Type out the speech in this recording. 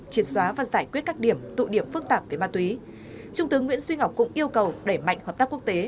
triệt xóa và giải quyết các điểm tụ điểm phức tạp về ma túy trung tướng nguyễn duy ngọc cũng yêu cầu đẩy mạnh hợp tác quốc tế